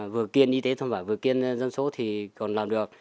vừa kiên y tế thôn bảo vừa kiên dân số thì còn làm được